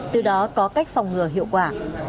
từ đó có cách phòng ngừa hiệu quả